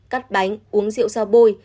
cắt bánh uống rượu rau bôi